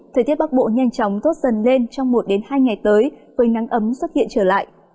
thời tiết bắc bộ nhanh chóng tốt dần lên trong một hai ngày tới với nắng ấm xuất hiện trở lại